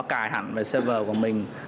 cài hẳn về server của mình